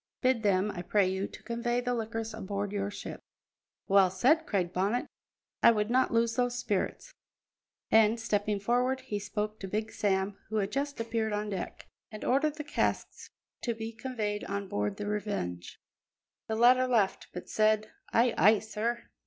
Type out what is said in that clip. Bid them, I pray you, to convey the liquors aboard your ship." "Well said!" cried Bonnet. "I would not lose those spirits." And, stepping forward, he spoke to Big Sam, who had just appeared on deck, and ordered the casks to be conveyed on board the Revenge. The latter laughed, but said: "Ay, ay, sir!"